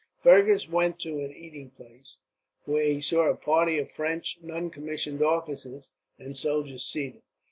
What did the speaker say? Fergus went to an eating house, where he saw a party of French non commissioned officers and soldiers seated.